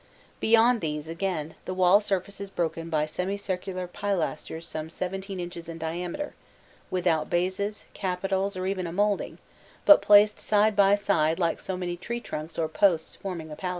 Beyond these, again, the wall surface is broken by semicircular pilasters some 17 inches in diameter, without bases, capitals, or even a moulding, but placed side by side like so many tree trunks or posts forming a palisade.